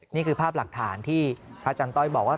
นี่คือภาพหลักฐานที่พระอาจารย์ต้อยบอกว่า